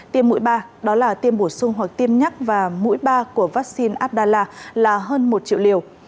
tiêm mũi ba đó là tiêm bổ sung hoặc tiêm nhắc và mũi ba của vaccine abdallah là hơn một triệu liều